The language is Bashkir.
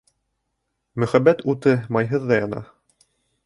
Мөхәббәт уты майһыҙ ҙа яна.